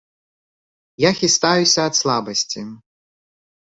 Я хістаюся ад слабасці.